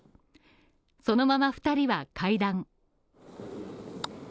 そのまま２人は会談。